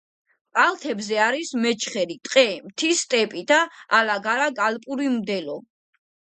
კალთებზე არის მეჩხერი ტყე, მთის სტეპი და ალაგ-ალაგ ალპური მდელო.